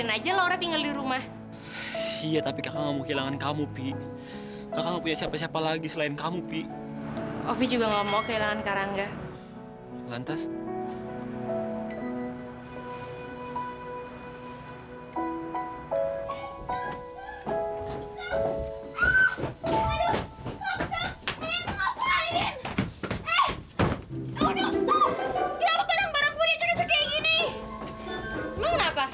aaaa bill mau masuk lagi aku gak suka di luar please